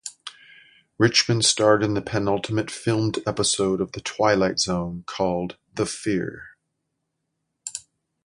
Richman starred in the penultimate filmed episode of "The Twilight Zone", called "The Fear".